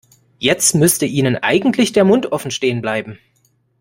Jetzt müsste Ihnen eigentlich der Mund offen stehen bleiben.